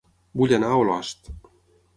Vull anar a Olost